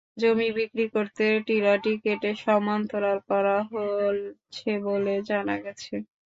জমি বিক্রি করতে টিলাটি কেটে সমান্তরাল করা হচ্ছে বলে জানা গেছে।